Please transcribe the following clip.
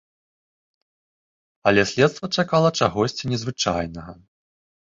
Але следства чакала чагосьці незвычайнага.